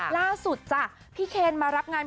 ล่าสุดพี่เคนนี่มารับการ